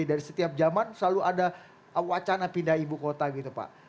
dari setiap zaman selalu ada wacana pindah ibu kota gitu pak